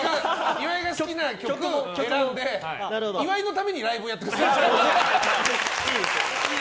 岩井が好きな曲を選んで岩井のためにライブをやってくれる。